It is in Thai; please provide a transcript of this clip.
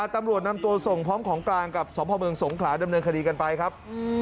ตำรวจนำตัวส่งพร้อมของกลางกับสพเมืองสงขลาดำเนินคดีกันไปครับ